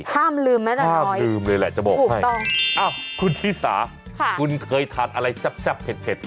ห้ามลืมนะจังน้อยถูกต้องอ้าวคุณชิสาคุณเคยทานอะไรแซ่บเผ็ด